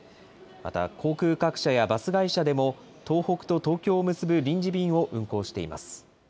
また、航空各社やバス会社でも東北と東京を結ぶ臨時便を運行しています。